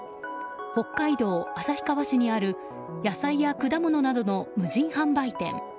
北海道旭川市にある野菜や果物などの無人販売店。